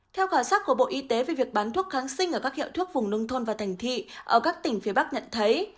theo khảo sát của bộ y tế về việc bán thuốc kháng sinh ở các hiệu thuốc vùng nông thôn và thành thị ở các tỉnh phía bắc nhận thấy